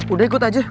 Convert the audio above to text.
udah ikut aja